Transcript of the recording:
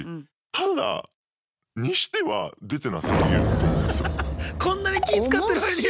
ただにしては出てなさ過ぎると思うんですよ。